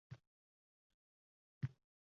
Syomkani soat ikkidan keyin qo‘yardi.